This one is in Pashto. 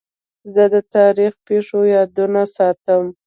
زه د تاریخي پېښو یادونه ساتم.